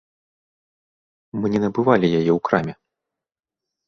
Мы не набывалі яе ў краме.